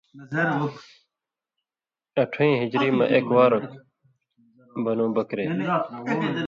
اٹھؤں ہجری مہ اېک وار اوک بنُو بکرے،